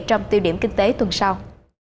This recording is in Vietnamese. trong tiêu điểm kinh tế tuần sau